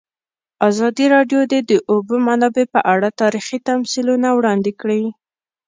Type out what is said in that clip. ازادي راډیو د د اوبو منابع په اړه تاریخي تمثیلونه وړاندې کړي.